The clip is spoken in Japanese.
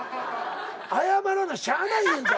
謝らなしゃあないねんぞ。